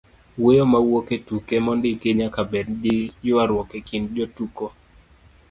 wuoyo mawuok e tuke mondiki nyaka bed gi ywaruok e kind jotuko